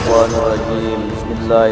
jadi dua orang merasa kunnen untuk menjahat